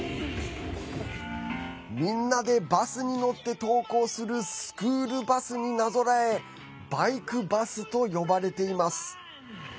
みんなでバスに乗って登校するスクールバスになぞらえバイクバスと呼ばれています。